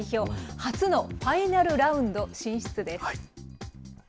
初のファイナルラウンド進出です。